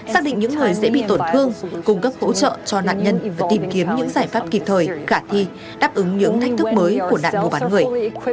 xác định những người dễ bị tổn thương cung cấp hỗ trợ cho nạn nhân và tìm kiếm những giải pháp kịp thời khả thi đáp ứng những thách thức mới của nạn mua bán người